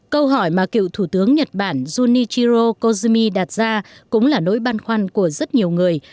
câu hỏi mà cựu thủ tướng nhật bản junichiro kozhumi đặt ra cũng là nỗi băn khoăn của rất nhiều người